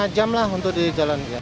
lima jam lah untuk di jalan